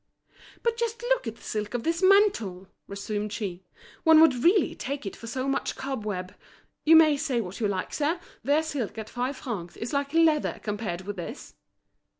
"But just look at the silk of this mantle!" resumed she, "one would really take it for so much cobweb. You may say what you like, sir, their silk at five francs is like leather compared with this."